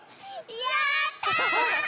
やった！